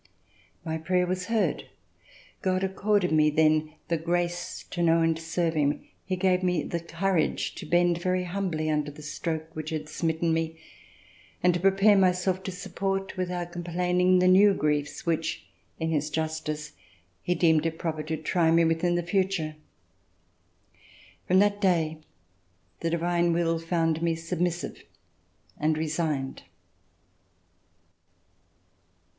My prayer was heard. God ac corded me then the grace to know and serve Him. He gave me the courage to bend very humbly under the stroke which had smitten me and to prepare my self to support without complaining the new griefs, by which in His justice He deemed it proper to try me in the future. From that day the divine will found me submissive and resigned.